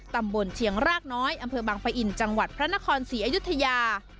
ตำบลเชียงรากน้อยอำเภอบางปะอินจังหวัดพระนครศรีอยุธยา